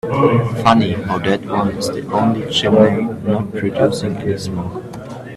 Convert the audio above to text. Funny how that one is the only chimney not producing any smoke.